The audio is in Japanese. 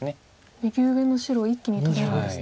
右上の白を一気に取れるんですね。